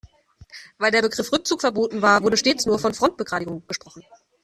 Weil der Begriff Rückzug verboten war, wurde stets nur von Frontbegradigung gesprochen.